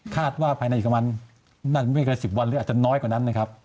คาดว่าภายในประมาณ๑๐วันหรืออาจจะน้อยกว่านั้นนะครับ